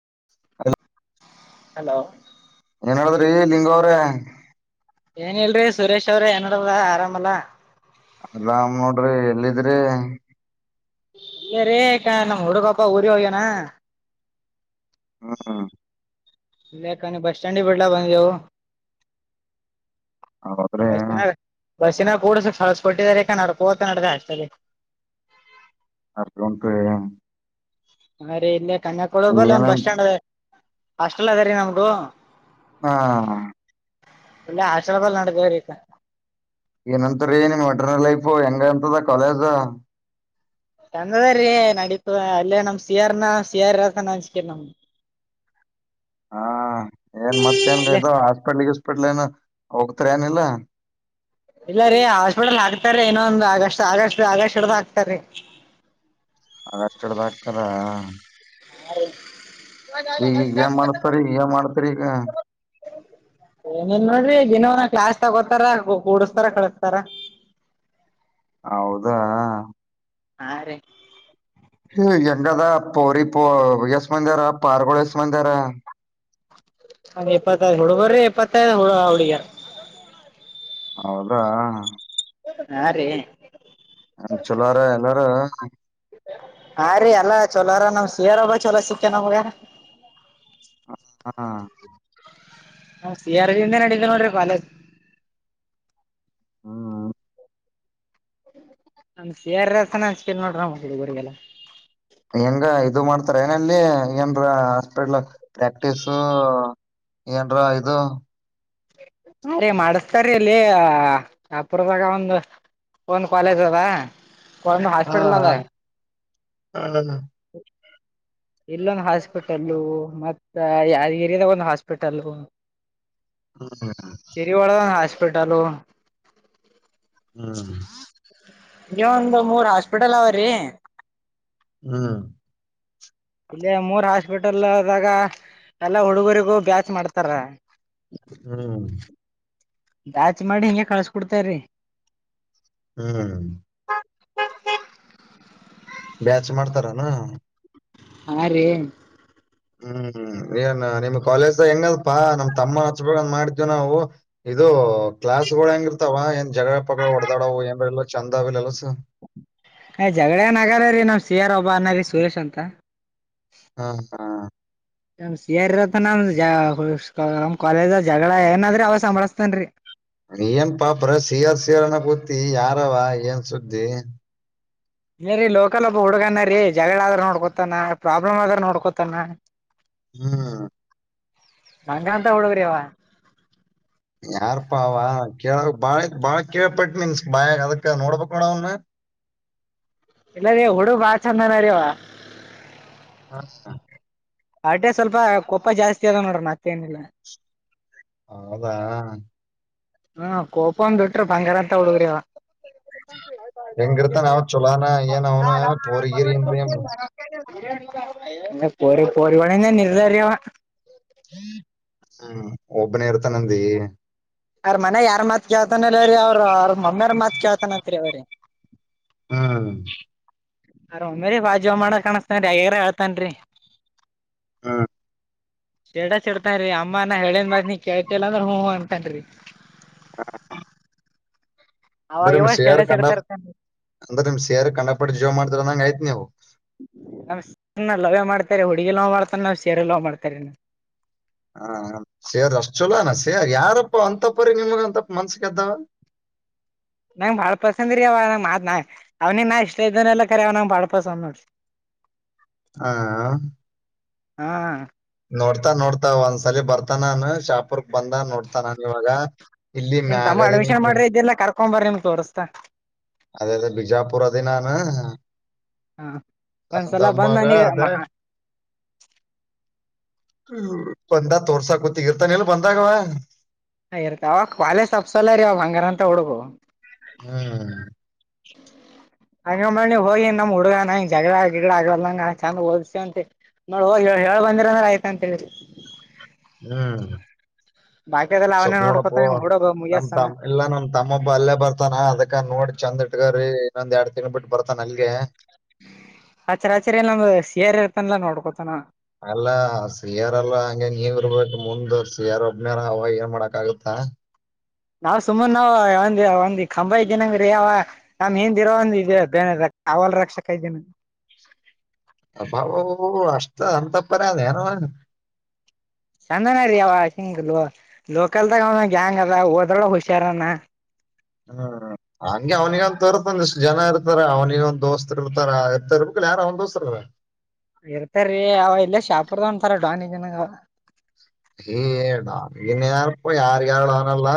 ಹ ಹಲೋ ಏನ್ ಹೇಳದ್ರಿ ಲಿಂಗ ಅವ್ರೇ ಏನ್ ಇಲ್ರರಿ ಸುರೇಶ್ ಅವ್ರಿ ಏನಾರಲ್ಲ ಆರಾಮಲ್ಲಾ ಅರಾಮ್ ನೋಡ್ರಿ ಎಲ್ಲಿದ್ರಿ ಏ ರೇ ನಮ್ಮ್ ಹುಡುಗಪ್ಪ ಊರಿ ಹೋಗ್ಯನಾ ಹಾ ಲ್ಲೇಕ್ಕನ ಬಸ್ ಸ್ಟ್ಯಾಂಡಂಡ ಬಡ್ಲ ಬಂದ ಜಾವ [unintelligible] ಹೌದ್ರೀ ಏನು ಬಸ್ಸಿನ ಕೂಡ ಸ ಸಳಸ್ಕೊಟ್ಟಿದಿದ್ದಾರೆಕ ನಡ್ಕೋತ ನಡ್ದ ಅಷ್ಟಲ್ಲಿ [unintelligible] ಅ ಗಟ [unintelligible] ಹರಿ ಇಲ್ಲೇ ಕನ್ಯಾಕುಳಗಲ್ಲ ಒ ಬಸ್ ಏನಂತ ಸ್ಟ್ಯಾಂಡ್ ಅದ ಹಾಸ್ಟೆಲ್ ಅದ ರೀ ನಮ್ಗು ಹಾ ಎಲ್ಲಾ ಅಶ್ವಾದ್ ರಿಪ [unintelligible] ಏನಂತರಿ ನೀನ್ ವಟ್ರ ಲೈಫ್ ಹೆಂಗ ಅಂತದ ಕಾಲೇಜ ತಂದದ ರೀ ನಡೀತ ಅಲ್ಲೇ ನಮ್ಮ್ ಸಿಯಾರನ ಸಿಯಾರಸಾನಿಕ ನಮ [inaudible] ಹಾ ಏನ್ ಮತ್ತ ಇಲ್ಲ ಏನ್ಗಾಯತ ಹಾಸ್ಪಿಟ್ಲ್ಗ ಹಾಸ್ಪಿಟ್ಲ್ [unintelligible] ಏನ ಹೋಗ್ತಾರೆ ಏನಿಲ್ಲ ಇಲ್ಲ ರೀ ಹಾಸ್ಪಿಟಲ್ ಹಾಕ್ತಾರೀ ಇನೊಂದ್ ಆಗಸ್ಟ್ ಆಗಷ್ಟ ಆಗಸ್ಟ್ ಹಿಡ್ದ್ ಹಾಕ್ತಾರಾರಿ ಹಾಗಷ್ಟಡ್ದ ಹಾತಾರ [unintelligible] ಹೌ [inaudible] ಈಗ ಈಗ ಮಾಡ್ತಾರ ಈಗ ಮಾಡ್ತರಿ ಈಗ [unintelligible] ಏನೇನ್ ನೋಡ್ರಿ ದಿನವನ ಕ್ಲಾಸ್ ತಗೋತಾರ ಕೂಡಸ್ತಾರ ಕಳಸ್ತಾರ [inaudible] ಹೌದಾಹಾ ಹಾ ರೀ ಹ ಹೆಂಗದ ಪೌರಿ ಪೋ ಯಸ್ ಮಂದಿರ ಪಾರ್ಗೋಳ ಯಸ್ಮಂದಿರ ಅ ಎಪ್ಪತ್ತೈದುಹುಡುಗರ್ರಿ ಎಪ್ಪತ್ತೈದು ಹುಡು ಹುಡುಗ ಹೌದಾ ಹಾ ರೀ ಚಲಾರ ಎಲ್ಲಾರ ಹ್ರೀ ಅಲ್ಲಾ ಚಲೋರ ನಮ್ ಸೇರೋರ ಚಲೋ ಸಿಕ್ಕ ನಮ್ಗೆ [inaudible] ಹ ಹಾ ಹಾ ಸಿಆರ್ದಿಂದೆ [unintelligible] ನಡೀದ್ದ ನೋಡಿದರೆ ಬಾಲಾಜಿ ಹ್ಮ್ ನಮ ಸಾರಸನ ಹಂಚ್ಕ ಹುಡುಗರಿಗೆಲ್ಲ [inaudible] ಹೆಂಗ ಇದು ಮಾಡ್ತಾರ ಏನಲ್ಲಿ ಏನ್ರ ಹಸ್ಪಿಟಲ್ ಪ್ರಾಕ್ಟೀಸ ಏನ್ರಾ ಇದು ಅ ರೀ ಮಾಡಸ್ತಾರೀ ಅಲ್ಲಿ ಅಪರದಾಗ ಒಂದು ಒಂದು ಕಾಲೇಜ್ ಅದ ಒಂದು ಹಾಸ್ಪಿಟಲ್ ಅದ ಹೌದಲ್ಲ [unintelligible] [inaudible] ಇಲ್ಲೊಂದು ಹಾಸ್ಪಿಟಲ್ಲ ಮತ್ತ ಏರಿಯಾದಾಗ ಒಂದು ಹಾಸ್ಪಿಟಲ್ ಹ್ಮ ಸಿರಿ ಒಳಗ [unintelligible] ಹ್ಮ ಈ ಒಂದು ಮೂರ್ ಹಾಸ್ಪಿಟಲ್ ಅವ್ರೀ ಹ್ಮ್ ಇಲ್ಲಿ ಮೂರ್ ಹಾಸ್ಪಿಟಲ್ ಆದದಾಗ ಎಲ್ಲಾ ಹುಡುಗರಿಗೂ ಬ್ಯಾಚ್ ಮಾಡ್ತಾರ ಹ್ಮ್ ಜಾಚ ಮಾಡಿ ಹಿಂಗಗೆ ಕಳ್ಸ್ಕೊಡ್ತ್ರಿ ಹ್ಮ್ ಬ್ಯಾಚ್ ಮಾಡ್ತಾರನು ಹಾ ರೀ ಹ್ಮ್ ಹ್ಮ್ ಏನ್ ನಿಮ್ ಕಾಲೇಜ್ದ ಹೆಂಗಪ್ಪಾ ನಮ್ ತಮ್ಮ ಹಚ್ಬಂದ ಮಾಡ್ತವಿ ನಾವು ಇದು ಕ್ಲಾಸ್ ಗಳು ಹೆಂಗ ಇರ್ತಾವ ಏನ್ ಜಗಳ ಪಗಳ ಹೊಡದಾಡವು ಏನ್ ಚಂದಿಲ್ಲಲ್ ಆನು ಜಗಳ ನಗರ್ರೀ ನಮ್ ಸಿಆರ್ ಒಬ್ಬ ಅನ್ನರಿ ಸುರೇಶ್ ಅಂತ ಹಾ ಹಾ ನ ಸರ್ ಇರತ್ತ ನಮ ನಮ್ ಕಾಲೇಜ ಜಗಳ ಏನಾದ್ರಿ ಅವಾಗ ಸಂಭಳಸ್ತನ್ ರೀ ಏನ್ ಪಾಪ್ರ ಸಿಯಾರ್ ಸಿಯರ್ನ ಕೂತಿ ಯಾರವ ಏನ್ ಸುದ್ದಿ ಏ ರೀ ಲೋಕಲ್ ಒಬ್ಬ ಹುಡುಗನ ರೀ ಜಗಳ ಆದ್ರ ನೋಡ್ಕೊತಾನ ಪ್ರಾಬ್ಲಮ್ ಆದ್ರ ನೋಡ್ಕೊತಾನ ಹ್ಮ್ ನಂಗ ಅಂತ ಹುಡುಗ್ರಿವ ಯಾರ್ ಪಾವ ಕೇಳ ಬಾಳ ಬಾಳ ಕೇಳ್ಪಟ್ ಮೀನ್ಸ್ ಬಾಳ ಅದಕ್ ನೋಡ್ಬಕ್ ನೋಡ ಅವನ [inaudible] ಇಲ್ಲ ರೀ ಹುಡು ಬಾಳ ಚಂದನ ರೀವಾ ಹಾ ಅಟೆ ಸ್ವಲ್ಪ ಕೊಪ್ಪ ಜಾಸ್ತಿ ಅದಾವ ನೋಡ್ರಿ ಮತ್ತೆ ಏನಿಲ್ಲ ಹೌದಾ ಹ್ಮ ಕೋಪಂದ ಬಿಟ್ರ ಬಂಗಾರ ಅಂತ ಹುಡುಗ್ರವ ಹೆಂಗರುತ ಅವ ಚಲೋಾನ ಏನ್ ಅವನುಏರ್ಗರಿ ಅಂತ ರಿ ಪರಿವಣಿಂದ ನಿರ್ಧಾರ್ಯ ಹ್ಮ್ ಒಬ್ಬನೇ ಇರ್ತ ನಂದಿ ಅವ್ರ ಮನ ಯಾರ್ ಮತ್ ಕೇಳ್ತಾನಲ ಅವ್ರೀ ಅವ್ರರು ಅವ್ರ ಮೊಮ್ಮಿಾರ್ ಮತ್ ಕೇಳ್ತಾನತ್ರಿ ಅವ್ರರಿ ಹ್ಮ್ ಆರೇರಿ ಬ ಜೋ ಮಾಡ ಕಾಣಿಸಸ್ತನ್ ಹಾಗಗ್ಯ್ರ ಹೇಳ್ತನ್ ರಿ ಹಾ ಚಡ ಚಡ್ತಾನ್ ಅಮ್ಮನ ಹೇಳೇನ್ ಮ ನೀ ಕೇಳ್ತಲ್ಲ ಅಂದ್ರ ಹ ಅಂತನ್ರಿ ಹಾ ಅವಾಗ ಅಂದ್ರ ನಿಮ್ ಇವಾಗ ಶೇಯರ್ ಸ್ಟೇಟಸ್ ಕಂಡ ಇಡ್ತಾರ ಅಂದ್ರ ನಿಮ್ ಶೇಯರ್ ಕಂಡಪಟ್ಟ ಜೋ ಮಾಡ್ತಾರ ಅಂದಂಗಗೆ ಆಯ್ತ್ ನೀವು ಸರಿ ಹುಡುಗಿ ಲವ್ ಮಾಡ್ತಾನ ಸಾರಿ ಲವ್ ಮಾಡ್ತಾರೆ ಏ ಯಾರಪ್ಪ ಅಂತ ಪರಿ ನಿಮ್ಗ ಅಂತಪ್ಪ ಮನ್ಸಗೆದ್ದಾವ? ನಂಗ್ ಬಾಳ್ ಪಸಂದ್ರೀ ಅವ ನ ಮಾತ್ ಅವನಿ ನಾ ಇಷ್ಟ ಇದ್ದನೆ ಎಲ್ಲ ಕರಿ ಅವ ನಂಗ ಬಾಳ್ ಪಸಂದ್ ನೋಡ್ರಿ ಹ ಹಾ ನೋಡ್ತಾ ನೋಡ್ತಾ ಒಂದ್ಸಲಿ ಬರ್ತ ನಾನು ಶಾಪುರ್ ಬಂದ ನೋಡ್ತಾನಾನ ಇವಾಗ ಇಲ್ಲಿ ಮ್ಯಾಗದನಿ ಸೋಂಬಾರ ನಿಮ್ತ್ ತೋರಿಸಸ್ತಾ ಅದೇದೇ ಬಿಜಾಪುರ ದಿನಾನ ಹ ಆಂತ ಒಂದ್ಸಲ ಅಾ ಬಂದ್ ಕತ ನನಗ ಹ್ಮ ಬಂದ ತೋರ್ಸಾ ಗೊತ್ತಗಿರ್ತಾನ ಇಲ್ ಬಂದಾಗವ ಹ ಇರ್ತ ಅವಾಗ ಕ್ಾಲೇ ಸಪ್ಸಲ್ಲ ರೀ ಅವಾಗ ಹಂಗಾರ ಅಂತ ಹುಡುಗು [unintelligible] ಹ್ಮ ಹಂಗಂದ ಹೋಗಿ ನಮ್ ಹುಡ್ಗನ ಜಗಳ ಗಿಗಳ ಆಗಲಂಗ ಚಂದ್ಓದಸ ಅಂತೆ. ಆ ಹೋಗ ಹೇಳ್ ಬಂದಿರ ಆಯ್ತಾ ಅಂತ ಹೇಳಿದಿ ಹ್ಮ್ ಬಾಯ [unintelligible] ಸ್ವಲ್ಪ್ ನೋಡಪ್ಪೋ ನಮ್ ತಮ್ಮ ಇಲ್ಲಾ ನಮ್ ತಮ್ಮೊಬ್ಬ ಅಲ್ಲೇ ಬರ್ತಾನ ಅದಕ್ಕ ನೋಡಿ ಚಂದ್ ಇ ಇಗರೀ ಇನ್ನಂದ್ ಎರಡು ತಿಂಗ್ಳ್ ಬಿಟ್ಟ ಬರ್ ಅದ್ಸರ್ ಅದ್ಸರಿ ಎಲ್ಲ ನಮ್ದ ಸಿಯರ್ ಇರ್ತನ್ಲ್ಲಾ ನೋಡ್ಕೋತಾನ. ಅಲ್ಲಾ ಸಿಯಾರಲ್ಲ ಹಂಗೆ ನೀವ ಇರ್ಬೇಕು ಮುಂದ್ ಸಿಯಾರ್ ಒಬ್ಬ್ನಾರ ಅವಾಗ ಏನ್ ಮಾಡಕ್ ಆಗುತ್ತ. ಹಾ ನಾವ್ ಸುಮನಾವವು ಒಂದ ಒಂದ್ ಕಂಬ ಇದ್ದಿನಂಗ ರೀ ಅವ ನಮ್ ಹಿಂದಿರೋ ಒಂದ ಇ ಬೇರೆದ ಅವಲ್ಲ ರಕ್ಷಕ ಇದ್ದೀನೆ. ಅ ಬ ಒಒ ಅಷ್ಟ ಅಂತಪ್ಪರ ಅದ ಏನು? ಚಂದನ ರೀ ಅವ ಹಿಂಗ ಲೋಕಲ್ದಾಗ ಅವ ಗ್ಯಾಂಗ್ ಅದ ಓದ್ರಳೊಗ್ ಹುಷಾರನ. ಹ್ಮ ಹಾ ಹಂಗೆ ಅವನಿಗ ಒಂದ ತರ್ಂದ ಇಷ್ಟ್ ಜನ ಇರ್ತಾರ ಅವನಿಗ ಒಂದ ದೋಸ್ತರು ಇರ್ತಾರ ಇರ್ತಾ ಇರ್ಬೇಕ್ ಯಾರ ಅವನ್ ದೋಸ್ತರು. ಇರ್ತಾರೀ ಅವ ಇಲ್ಲೇ ಶಾಂಪುರ್ದವನ್ ಅಂತಾರ ಡಾನಿದ್ದನಾಗ ಏ ಡನ್ಗನ್ ಯಾರಪ್ಪ ಯಾರ ಯಾರಡೋನಲ್ಲ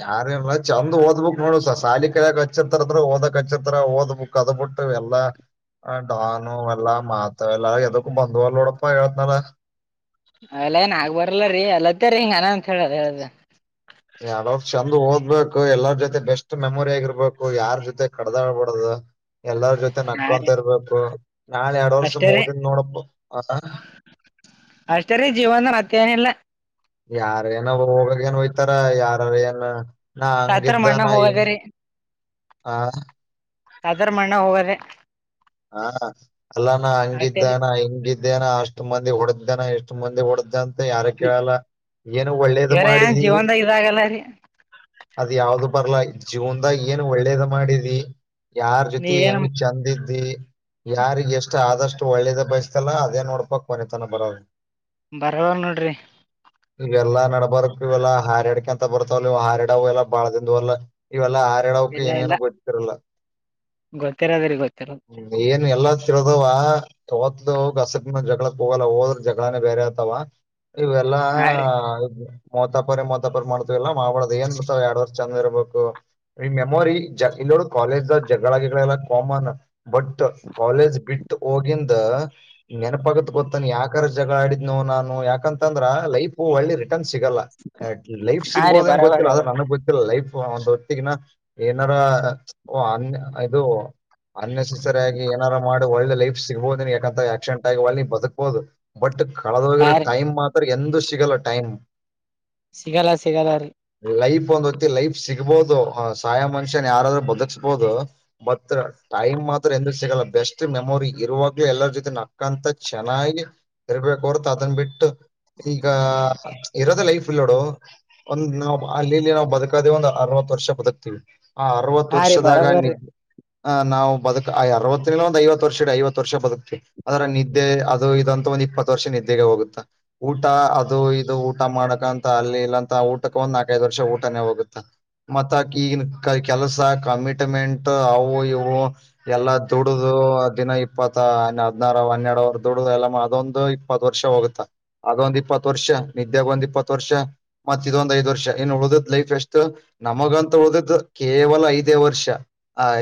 ಯಾರಲ್ಲ ಚಂದ ಓದ್ಬುಕ್ ನೋಡು ಸಾಲಿ ಕಲಿಯಕ್ ಹಚ್ಚಿರ್ತಾರ ಅಂದ್ರೆ ಓದಕ್ ಹಚ್ಚಿರ್ತಾರ ಓದ್ಬುಕ್ ಅದ ಮುಟ್ಟವೆ ಎಲ್ಲ ಆ ಡಾನು ಎಲ್ಲಾ ಮಾತೆಲ್ಲ ಎದಕ್ಕೂ ಬಂದವಲ್ಲ ನೋಡಪ್ಪ ಹೇಳ್ತಾರೆ. ಅಲ್ಲ ಏನ್ ಆಗ್ ಬರಲ್ಲ ರೀ ಎಲಕ್ಕರಿ ಹಿಂಗ ಅನ ಅಂತ ಹೇಳುದ ಎಲ ಚಂದ ಓದ್ಬೇಕು ಎಲ್ಲಾರ್ ಜೊತೆ ಬೆಸ್ಟ್ ಮೆಮೊರಿ ಆಗಿರ್ಬೇಕು ಯಾರ್ ಜೊತೆ ಕಡ್ದಾಡ್ಬಾಡದು. ಎಲ್ಲರ ಜೊತೆ ಹಾ ರೀ ನಕ್ಕೊಂತ ಇರ್ಬೇಕು ನಾನ್ ಎರಡ್ ವರ್ಷ ಅಷ್ಟೇ ರೀ ಮೊಗಿನ್ ನೋಡಪ್ಪ [inaudible] ಅಷ್ಟರೀ ಜೀವನ ಮತ್ಯೇನಿಲ್ಲ. ಯಾರ ಏನ ಹೋಗಾಗ ಏನ್ ಹೊಯ್ತಾರ ಯಾರಾರ ಏನ? ಯಾತಾರ ಮಣ್ಣಾಗ್ ಹೋಗದರೀ ಆ ಯಾತಾರ ಮಣ್ಣ ಹೋಗದೇ. ನಾನ ಅಲ್ಲಾನ ಅಷ್ಟೇ ರೀ ಹಂಗಿದ್ದೇನ ಹಿಂಗಿದ್ದೇನ ಅಷ್ಟು ಮಂದಿ ಹೊಡೆದೇನ ಎಷ್ಟು ಮತ್ತೆ ಹೊಡೆದ್ದ ಯಾರ ಕೇಳಲ್ಲ ಏನು ಒಳ್ಳೇದು ಇವ್ರ ಏನ್ ಮಾಡಿದೀ ಜೀವನ್ದಾಗ ಇದಾಗಲ್ಲ ರೀ ಅದ ಯಾವ್ದು ಬರ್ಲಾ ಜೀವನ್ದಾಗ ಏನ್ ಒಳ್ಳೇದ ಮಾಡಿದಿ ಯಾರ್ ನೀ ಜೊತಿ ಏನ್ ಹೆಂಗ ಚಂದಿದ್ದೀ ಯಾರಿಗೆಷ್ಟು ಆದಷ್ಟು ಒಳ್ಳೇದ ಬಯಸ್ತಲ್ಲ ಅದೇ ನೋಡ್ಪ ಕೊನೆತನ್ಕ್ ಬರೋದು. ಬರಲ್ಲ ನೋಡ್ರಿ. ಇವೆಲ್ಲಾ ನಡಬಾರಕ್ ಇವೆಲ್ಲಾ ಹಾರ್ಯಾಡ್ಕಂತ ಬರ್ತಾವ ಇವು ಹಾರಿಡ ಎಲ್ಲ ಬಾಳದಿದ್ದು ಅಲ್ಲ ಇವೆಲ್ ಲ್ಲ ಹಾರಾಡ್ಯೌಕೆ ಏನೇನು ಗೊತ್ತಿರಲ್ಲ. ಗೊತ್ತಿರದ್ರೆ ಗೊತ್ತಿರ [unintelligible] ಹ್ಮ್ ಏನ್ ಎಲ್ಲಾ ತಿರೋದವ ಓದೋಗ ಹಸಕ್ ಜಗಳಕ್ ಹೋಗಲ್ಲ ಹೋದ್ರ ಜಗಳಾನೇ ಬೇರೆ ಆತ [unintelligible] ವಾ ಇವೆಲ್ಲಾ ಹಾ ರೀ ಮೊತಪರಿ ಮತಪರಿ ಮಾಡ್ ಇಲ್ಲ ಮಾಡಬಡ್ದ್ ಏನ್ ಬಿತಾವ ಎರಡ್ ವರ್ಷ ಚಂದ ಇರ್ಬೇಕು ಮೆಮೋರಿ ಜ ಇಲ್ನೋಡು ಕಾಲಜದಾಗ್ ಜಗಳ ಗಿಗಳೆಲ್ಲ ಕಾಮನ್. ಬಟ್ ಕಾಲೇಜ್ ಬಿಟ್ಟ ಹೋಗಿಂದ ನೆನಪಾಗತ್ ಗೊತ್ತನ್ ಯಾಕ್? ತರ್ ಜಗಳ ಆಡಿದ್ನು ನಾನು ಯಾಕಂತಂದ್ರ ಲೈಫ್ ಒಳ್ಳಿ ರೀ ಸಿಗಲ್ಲ ಲೈಫ್ ಹಾ ರೀ ಸಿಗ್ಬೋದೇನ್ ಬರಬರಿ ಗೊತ್ತಿಲ್ಲ ಆದ್ರ ನನಗ್ ಗೊತ್ತಿಲ್ಲ ಲೈಫ್ ಒಂದು ಹೊತ್ತಿಗಿನ ಏನಾರ ಓ ಅನ್ ಇದು ಅನ್ನೆಸ್ಸರಿಯಾಗಿ ಏನಾರು ಮಾಡ್ ಒಳ್ಳೆ ಲೈಫ್ ಸಿಗ್ಬೋದು ಯಾಕ ಆಕ್ಸಿಡೆಂಟ್ ಆಗಿ ಒಳ್ಳಿ ಬದುಕ್ಬೋದು ಬಟ್ ಹಾ ಕಳದೋಗಿರೋ ರೀ ಟೈಮ ಮಾತ್ರ ಎಂದು ಸಿಗಲ್ಲ ಟೈಮ್. ಸಿಗಲ್ಲ ಸಿಗಲ್ಲ ಅದು. ಲೈಫ್ ಒಂದ್ ಹೊತ್ತಿ ಲೈಫ್ ಸಿಗ್ಬೋದು ಸಾಯೊ ಮನುಷ್ಯನ್ ಯಾರಾದ್ರೂ ಬದಕ್ಸ್ಬೋದು ಮತ್ರ ಟೈಮ್ ಮಾತ್ರ ಎಂದ್ರ ಸಿಗಲ್ಲ ಬೆಸ್ಟ್ ಮೆಮೊರಿ ಇರುವಾಗ್ಲೂ ಎಲ್ಲರ ಜೊತೆ ನಕ್ಕಂತ ಚೆನ್ನಾಗಿ ಇರ್ಬೇಕ ಕೊಡ್ತ ಅದನ್ನ ಬಿಟ್ಟು [unintelligible] ಈಗ ಇರೋದ ಲೈಫ್ ಇಲ್ಲಿ ನೋಡು ಒಂದ್ ನಾವ್ ಅಲ್ಲಿ ಇಲ್ಲಿ ನಾವು ಬದುಕದೇ ಒಂದ್ ಅರ್ನ ಅವತ್ ವರ್ಷ ಬದಕ್ತೀವಿ ಆ ಅರವತ್ತು ಹಾ ರೀ ವರ್ಷದಾಗ ಬರಬರ್ರಿ ನಿಿದ್ದೆ ಅ ನಾವು ಬದುಕ್ ಅರವತ್ತ ಒಂದು ಐವತ್ ವರ್ಷ ಇ ಐವತ್ತು ವರ್ಷ ಬದುಕ್ತತಿವಿ ಅದ್ರ ನಿದ್ದೆ ಅದು ಇದಂತ ಒ ಇಪ್ಪತ್ತು ವರ್ಷ ನಿದ್ದೆಗೆ ಹೋಗುತ್ತಾ ಊಟ ಅದು ಇದು ಊಟ ಮಾಡಕ ಅಂತ ಅಲ್ಲಿ ಇಲ್ಲಂತ ಊಟಕ್ಕೆ ಒಂದು ವರ್ಷ ಊಟಾನೇ ಹೋಗುತ್ತ ಮತ್ತ ಈಗಿನ ಕೆಲಸ ಕಮಿಟ್ಮೆಂಟ್ ಅವು ಇ ಎಲ್ಲಾ ದುಡುದು ದಿನ ಇಪ್ಪತ್ತ ಹದ್ಿನಾರು ಹನ್ನೆರಡು ಅವರ್ ದುಡುದು ಎಲ್ಲ ಅದೊಂದು ಇಪ್ಪತ್ ವರ್ಷ ಹೋಗುತ್ತಾ ಆಗ ಒಂದ್ ಇಪ್ಪತ್ತು ವರ್ಷ ನಿದ್ದಾಗ ಒಂದ್ ಇಪ್ಪತ್ತು ವರ್ಷ ಮತ್ತ ಇದೊಂದ್ ಐದು ವರ್ಷ ಉಳ ದ ದು ಲೈಫ್ ಎಷ್ಟು ನಮಗಂತ ಉಳ ದಿದು ಕೇವಲ ಐದೇ ವರ್ಷ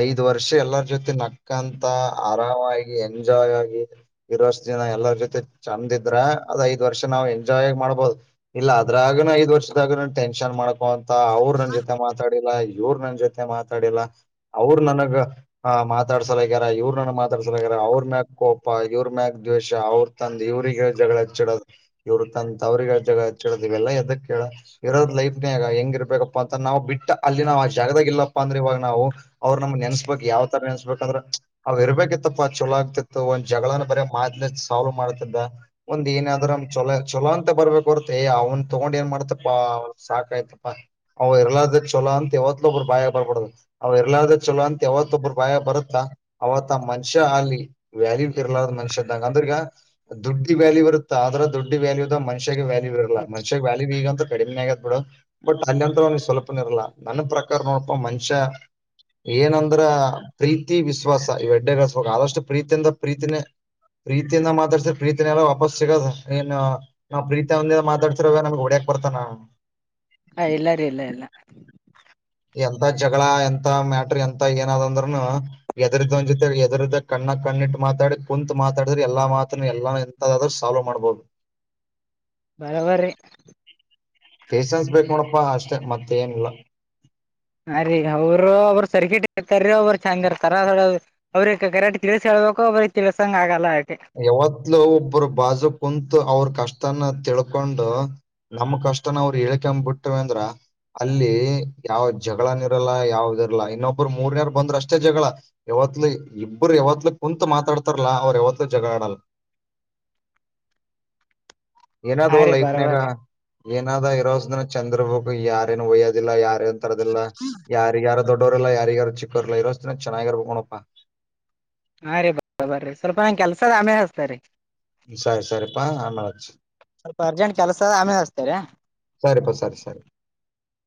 ಐದು ವರ್ಷ ಅಷ [unintelligible] ಎಲ್ಲರ ಜೊತೆ ನಕ್ಕಂತ ಆರಾಮಾಗಿ ಎಂಜಾಯ್ ಆಗಿ ಇರೋಷ್ಟ ದಿನ ಎಲ್ಲರ ಜೊತೆ ಚಂದಿದ್ರ ಅದ ಐದ್ ವರ್ಷ ನಾವು ಎಂಜಾಯ್ ಆ ಮಾಡ್ಬಹುದು ಇಲ್ಲ ಅದ್ರಾಗನ ಐದ ವರ್ಷದಾಗ ಟೆನ್ಷನ್ ಅವ್ರ ನನ್ ಜೊತೆ ಮಾತಾಡಿಲ್ಲ ಇವ್ರ ನನ್ ಜೊತೆ ಮಾತಾಡಿಲ್ಲ ಅವ್ರ ನನಗ ಆ ಮಾತಾಡ್ಸಲಾಗ್ಯಾರ ಇವ್ರ ನನ ಮಾತಾಡ್ಸಲಾಗ್ಯಾರ ಅವ್ರ ಮ್ಯಾಗ ಕೋಪ ಇವ್ರ ಮ್ಯಾಗ ದ್ವೇಷ ಅವ್ರ ತಂದ ಇವ್ರಗ ಜಗಳ ಹಚ್ಚಡೋದು ಇವ್ರ ತಂತತ್ ಅವ್ರಿಗೆಗ ಜಗಳ ಹಚ್ಚಿಡೋದು ಇವೆಲ್ಲಾ ಎದಕ್ ಕೇಳ ಇರೋದ ಲೈಫ್ ಗ ಹೆಂಗಿರ್ಬೇಕಪ್ಪ ಅಂತ ನಾವು ಬಿಟ್ಟ ಅಲ್ಲಿ ನಾ್ ಆ ಜಾಗದಾಗ ಇಲ್ಲಪ್ಪಾ ಅಂದ್ರ ಇವಾಗ ನಾವು ಅವ್ರ ನಮ್ ನೆನ್ಸ ಯಾವ್ ತರ ಎನ್ಸ್ಬೇಕಂದ್ರೆ ಅವವು ಇರ್ಬೇಕಿತ್ತಪ್ಪ ಚಲೋ ಆಗ್ತಿತ್ತು ಒಂದ್ ಜಗಳನ್ನ ಬರ ಮಾದ್ಲಿ ಸಾಲ್ವ್ ಮಾಡ ಮಾಡ್ತಿದ್ದ ಏನಾದ್ರ ಚಲೋ ಚಛಲೋ ಅಂತ ಬರ್ಬೇಕ ಹೊರತ ಅವನ್ ತೊಗೊಂಡ್ ಏನ್ ಮಾಡ್ತ ಸಾಕಾಯ್ತಪ್ಪ ಅವ್ ಇರ್ಲಾರ್ದ ಚೊಲೋ ಅಂತ ಯವತ್ಲ ಒಬ್ಬರು ಭಾಯ ಬರ್ಬಡದು ಅವ್ ಇರ್ಲಾರ್ದ ಚಲೋ ಅಂತ ಯಾವತ್ತೊಬ್ಬರು ಭಾಯ ಬರುತ್ತಾ ಅವತ್ ಮನುಷ್ಯ ಅಲ್ಲಿ ವ್ಯಾಲ್ಯೂ ಇರ್ಲಾರ ಮನುಷ್ಯ್ದ ಅಂದ್ರಗ ದುಡ್ಡಿ ವ್ಯಾಲ್ಯ ಇರುತ್ತ ಆದ್ರೆ ದುಡ್ಡಿ ವ್ಯಾಲ್ಯ ದ ಮನುಷ್ಯ ವ್ಯಾಲ್ಯ ಇರ್ಲ್ಲ ಮನುಷ್ಯ ವ್ಯಾಲ್ಯೂ ಈಗ ಅಂತ ಕಡಿಮೆ ಆಗತ್ತೆ ಬಿ ಬಟ್ ಅಲ್ಲಿಂತ ಅವನಿಗೆ ಸ್ವಲ್ಪನ ಇರಲ್ಲ ನನ್ನ ಪ್ರಕಾರ ನೋಡಪ ಮನುಷ್ಯ ಏನಂದ ಅಂದ್ರ ಪ್ರೀತಿ ವಿಶ್ವಾಸ ಇವು ಅಡ್ಡೆಗಳಸ್ಬೇಕ ಆದಷ್ಟು ಪ್ರೀತಿಯಿಂದ ಪ್ರೀತಿನೇ ಪ್ರೀತಿಯಿಂದ ಮಾತಾಡ್ಸ್ರ ಪ್ರೀತಿನೆಲ್ಲ ವಾಪಸ್ ಸಿಗೋದ ಏನ್ ನಾವು ಪ್ರೀತಿಯಂದ ಮಾತಾಡ್ತಿರ ನಮಗೆ ಹೊಡಕ ಪಡ್ತನಾ ಹೇ ಇಲ್ಲ ರೀ ಇಲ್ಲ ಇಲ್ಲ ಎಂತ ಜಗಳ ಎಂತ ಮ್ಯಾಟ್ರ ಎಂತ ಏನಾದ ಅಂದ್ರನು ಎದರ್ದ ಜೊತೆ ಎದರ್ದ ಕಣ್ಣ ಕಣ್ಣಿಟ್ಟು ಮಾತಾಡಿ ಕುಂತ ಮಾತಾಡಿದ್ರೆ ಎಲ್ಲಾ ಮಾತ್ ಮತ್ತನು ಎಲ್ಲ ಎಂತದಾದ್ರೂ ಸಾಲ್ವ್ ಮಾಡ್ಬೋದು ಬರಬ್ಬರಿ ಪೇಷನ್ಸ್ ಬೇಕಕ್ ನೋಡಪ್ಪಾ ಅಷ್ಟೆ ಮತ್ತ ಏನಿಲ್ಲ ಅ ರೀ ಅವರು ಅವರು ಸರ್ಕಟ ಇರ್ತಾರ ಅವರು ಚಂಗ ಇರ್ತಾರ ಅವ್ರ ಕರಾಟಿ ತಿಳಿಸಿ ಹೇಳ [unintelligible] [inaudible] ತಿಳ್ಕೊಬೇಕು ತಿಳ್ಕೊಂಗಾಗಲ್ಲ ಆಯಿತು [unintelligible] ಯಾವತ್ಲುೂ ಒಬ್ಬರು ಬಾಜು ಕುಂತು ಅವ್ರ ಕಷ್ಟ ಅದನ್ನ ತಿಳ್ಕೊಂಡು ನಮ್ಮ ಕಷ್ಟನ ಅವ್ರು ಹೇಳ್ಕೋಂದು ಬಿಟ್ವಿ ಅಂದ್ರ ಅಲ್ಲಿ ಯಾವ ಜಗಳನ ಇರಲ್ಲ ಯಾವ್ದ ಇರಲ್ಲ ಇನ್ನೊಬ್ಬರು ಮೂರನೇರ್ ಬಂದ್ರ ಅಷ್ಟೇ ಜಗಳ ಇಬ್ರು ಯಾವತ್ಲು ಕುಂತಮಾತಾಡ್ತಾರಲ್ಲ ಅವ್ರ ಯಾವತ್ ಜಗಳಾಡಲ್ಲ ಏನಾದ ಹಾ ರೀ ಲೈಫನ್ಯಾಗ ಬರಬರ್ರಿ ಏನಾದ ಇರೋಸ ದಿನ ಚೆಂದ ಇರ್ಬೇಕು ಯಾರೇನ್ ಒಯ್ಯೋದಿಲ್ಲ ಯಾರೇನ್ ತರದಲ್ಲ ಯಾರಿಗಾರ ದೊಡ್ಡೋರ್ಲ್ಲ ಯಾರಿಗ್ಯಾರು ಚಿಕ್ಕೋರ್ಲ್ಲಾ ಇರೋ ದಿನ ಚೆನ್ನಾಗಿರ್ಬೇಕ ನೋಡಪ್ಪ ಹಾ ರೀ ಬರೋ ಬರಿ ಸ್ವಲ್ಪ ನನಗ ಕೆಲಸ ಅದ ಆಮೇಲ್ ಅಚ್ಚತಾ ರೀ ಸರಿ ಸರಿಪ್ಪಾ ಅಮೆಲಿ ಅಚ್ಚು ಸ್ವಲ್ಪ ಅರ್ಜೆಂಟ್ ಕೆಲಸ ಅದ ಅಮೆಗಾ ಅಚ್ಚತಾರಿ [inaudible] ಸರಿಪಾ ಸರಿ ಸರಿ